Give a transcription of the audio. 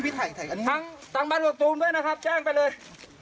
ทางทางบรรจุภูริด้วยนะครับแจ้งไปเลย